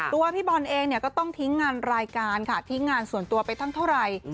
พี่บอลเองเนี่ยก็ต้องทิ้งงานรายการค่ะทิ้งงานส่วนตัวไปทั้งเท่าไหร่